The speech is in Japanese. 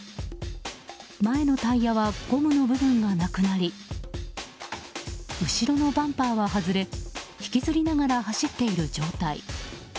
前のタイヤはゴムの部分がなくなり後ろのバンパーは外れ引きずりながら走っている状態。